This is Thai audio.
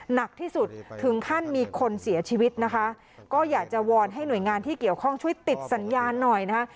หนักที่สุดถึงขั้นมีคนเสียชีวิตนะคะก็อยากจะวอนให้หน่วยงานที่เกี่ยวข้องช่วยติดสัญญาณหน่อยนะคะ